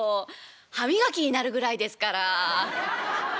歯磨きになるぐらいですから」。